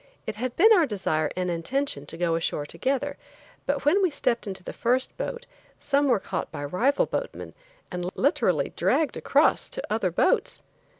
It had been our desire and intention to go ashore together, but when we stepped into the first boat some were caught by rival boatmen and literally dragged across to other boats.